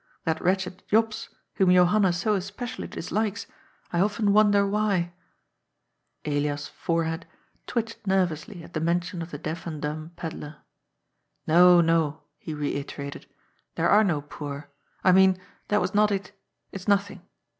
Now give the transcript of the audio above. That wretched Jops, whom Johanna so especially dislikes, I often wonder why ?" Elias's forehead twitched nervously at the mention of the deaf and dumb pedlar. " No, no," he reiterated. " There are no poor. I mean that was not it. It's nothing.